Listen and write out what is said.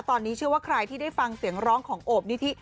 ตอนนี้เชื่อว่าใครที่ได้ฟังเสียงร้องของโอบนิธิ